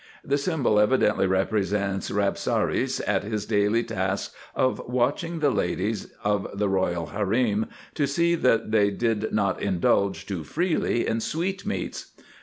The symbol evidently represents Rabsaris at his daily task of watching the ladies of the Royal Harem to see that they did not indulge too freely in sweetmeats.